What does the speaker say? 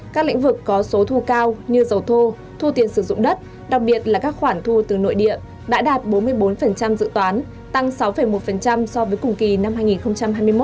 các lĩnh vực có số thu cao như dầu thô thu tiền sử dụng đất đặc biệt là các khoản thu từ nội địa đã đạt bốn mươi bốn dự toán tăng sáu một so với cùng kỳ năm hai nghìn hai mươi một